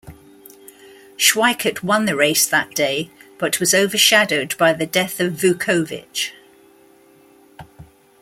Sweikert won the race that day, but was overshadowed by the death of Vukovich.